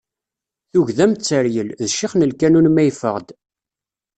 Tugdi am teryel, d ccix n lkanun ma yeffeɣ-d.